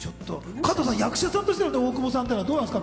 加藤さん、役者さんとしての大久保さん、どうなんですか？